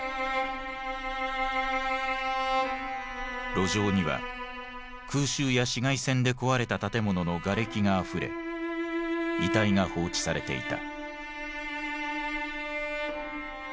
路上には空襲や市街戦で壊れた建物のがれきがあふれ遺体が放置されていた。